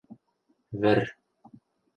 Вӹр...